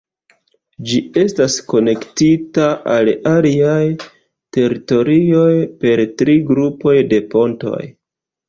Ĝi estas konektita al aliaj teritorioj per tri grupoj de pontoj.